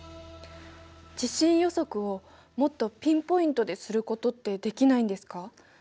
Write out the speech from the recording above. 地震予測をもっとピンポイントですることってできないんですか？